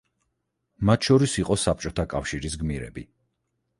მათ შორის იყო საბჭოთა კავშირის გმირები.